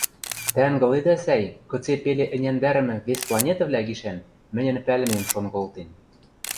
Тӓ ынгыледӓ, сӓй, кыце пеле ӹняндӓрӹмӹ «вес планетӹвлӓ» гишӓн мӹньӹн пӓлӹмем шон колтен.